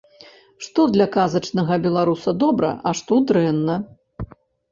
Што для казачнага беларуса добра, а што дрэнна?